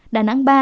đà nẵng ba